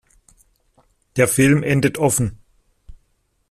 Der Film endet offen.